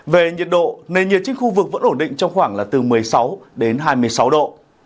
về nhiệt độ nền nhiệt trên khu vực vẫn ổn định trong khoảng là từ một mươi sáu đến hai mươi sáu độ